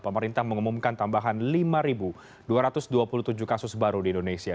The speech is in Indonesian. pemerintah mengumumkan tambahan lima dua ratus dua puluh tujuh kasus baru di indonesia